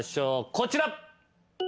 こちら。